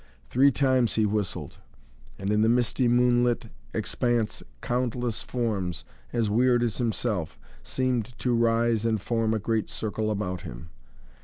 Three times he whistled and in the misty, moonlit expanse countless forms, as weird as himself, seemed to rise and form a great circle about him.